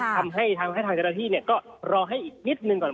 ทำให้ทางเจรจิกก็รอให้อีกนิดหนึ่งก่อน